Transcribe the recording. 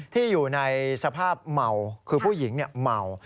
อยู่ในสภาพเมาคือผู้หญิงเมา